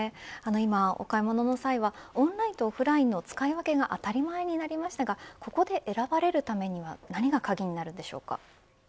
今お買い物の際はオンラインとオフラインの使い分けが当たり前になりましたがここで選ばれるためには何が鍵になるんでしょうか。